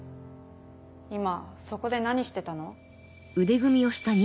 今そこで何してたの？